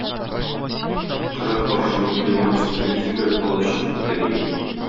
Кырык аршынлы койма өстеннән сикереп алып чыгып китә дию.